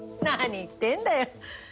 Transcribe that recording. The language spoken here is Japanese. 何言ってんだよ。